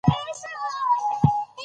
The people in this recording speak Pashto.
پوښتنې د کیسې په منځ کې راځي.